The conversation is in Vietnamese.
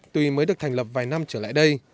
tuy mới được thành lập vài năm trở lại đây